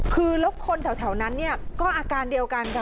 คือลบคนแถวนั้นก็อาการเดียวกันค่ะ